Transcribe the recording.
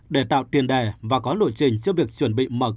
để tạo tiền đề và có lộ trình cho việc chuẩn bị mở cửa